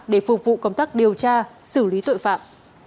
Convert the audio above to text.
để phục vụ công tác điều tra xử lý tội phạm